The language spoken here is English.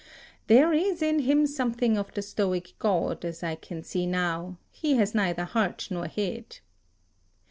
There is in him something of the Stoic god, as I can see now: he has neither heart nor head.